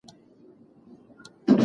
هغه ځای چې پاک وي هلته ناروغي نه وي.